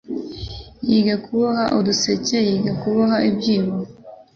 Yiga kuboha uduseke yiga kuboha ibyibo